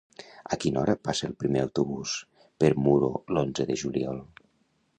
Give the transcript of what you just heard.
A quina hora passa el primer autobús per Muro l'onze de juliol?